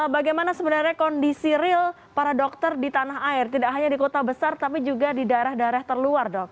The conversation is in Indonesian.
bagaimana sebenarnya kondisi real para dokter di tanah air tidak hanya di kota besar tapi juga di daerah daerah terluar dok